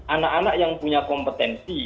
anak anak yang punya kompetensi